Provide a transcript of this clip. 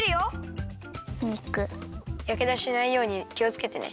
やけどしないようにきをつけてね。